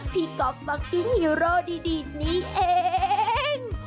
พี่ก๊อฟวัคติ้งฮีโร่ดีนี่เอง